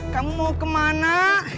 kamu mau kemana